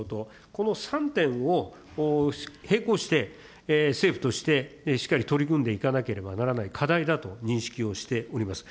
この３点を並行して政府としてしっかり取り組んでいかなければならない課題だと認識をしております。